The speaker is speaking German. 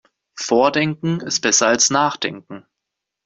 Vordenken ist besser als Nachdenken.